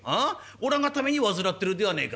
おらがために患ってるではねえか。